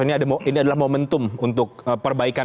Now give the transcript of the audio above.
ini adalah momentum untuk perbaikan